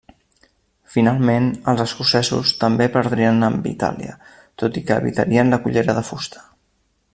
Finalment els escocesos també perdrien amb Itàlia, tot i que evitarien la cullera de fusta.